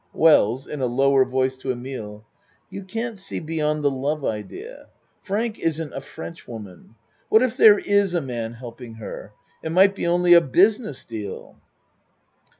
WELLS (In a lower voice to Emile.) You can't see beyond the love idea. Frank isn't a Frenchwoman. What if there is a man helping her it might be only a business deal.